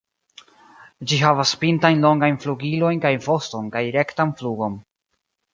Ĝi havas pintajn longajn flugilojn kaj voston kaj rektan flugon.